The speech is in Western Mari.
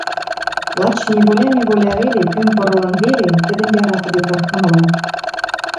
Лач неволя-неволя веле, пӱм пырылын веле, тӹдӹм яратыде тырхымыла.